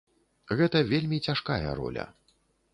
Гэта вельмі цяжкая роля.